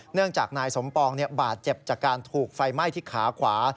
เนื่องจากนายสมปองบาดเจ็บจากการถูกไฟไหม้ที่ขาขวา